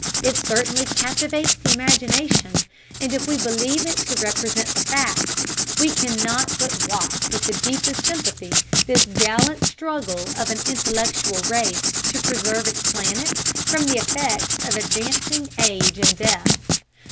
It certainly captivates the imagination, and if we believe it to represent the facts, we cannot but watch with the deepest sympathy this gallant struggle of an intellectual race to preserve its planet from the effects of advancing age and death.